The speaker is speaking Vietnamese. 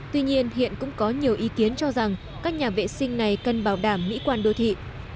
tuy nhiên hiện cũng có nhiều ý kiến cho rằng các nhà vệ sinh này cần bảo đảm mỹ quan đô thị